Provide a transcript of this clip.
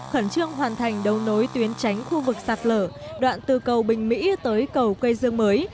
khẩn trương hoàn thành đấu nối tuyến tránh khu vực sạt lở đoạn từ cầu bình mỹ tới cầu quây dương mới